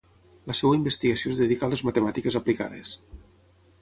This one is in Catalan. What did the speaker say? La seva investigació es dedica a les matemàtiques aplicades.